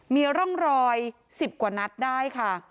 มีร่องรอย๑๐กว่านัดได้ค่ะ